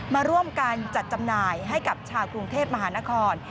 มาร่วมกันจัดจำหน่ายให้กับชาวกรุงเทพมหานคร